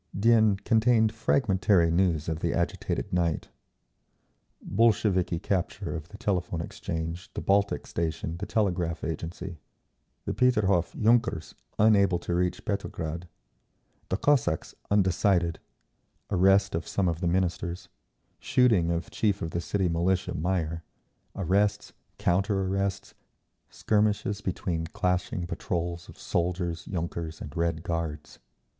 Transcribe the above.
… Dien contained fragmentary news of the agitated night. Bolsheviki capture of the Telephone Exchange, the Baltic station, the Telegraph Agency; the Peterhof yunkers unable to reach Petrograd; the Cossacks undecided; arrest of some of the Ministers; shooting of Chief of the City Militia Meyer; arrests, counter arrests, skirmishes between clashing patrols of soldiers, yunkers and Red Guards.